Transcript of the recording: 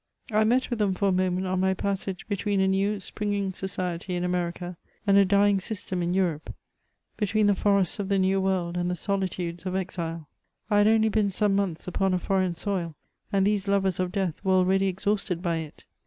I met with them for a moment on my passage between a new ^rin^ng society in America and a dying system in Eurc^ ; between the forests of the New World and the solitudes of exile : I had indy been some months upon a foreign soil, and these lovers of death were already ex hausted by it.